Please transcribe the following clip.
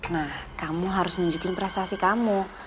nah kamu harus nunjukin prestasi kamu